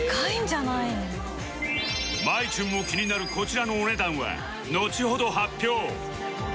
まいちゅんも気になるこちらのお値段はのちほど発表